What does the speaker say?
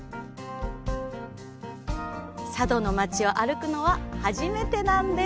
佐渡の町を歩くのは初めてなんです。